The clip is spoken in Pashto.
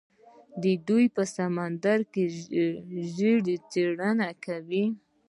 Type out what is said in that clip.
دوی په سمندر کې ژورې څیړنې کوي.